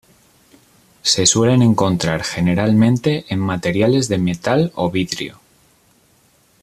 Se suelen encontrar generalmente en materiales de metal o vidrio.